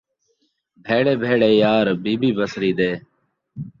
بھیڑے بھیڑے یار بی بی بسری دے